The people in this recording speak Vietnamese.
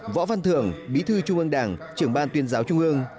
võ văn thường bí thư trung ương đảng trưởng ban tuyên giáo trung ương